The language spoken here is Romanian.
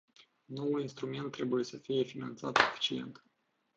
Noul instrument trebuie să fie finanțat suficient.